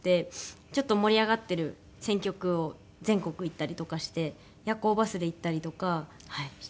ちょっと盛り上がってる選挙区を全国行ったりとかして夜行バスで行ったりとかしてます。